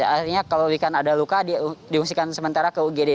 artinya kalau ikan ada luka diungsikan sementara ke ugd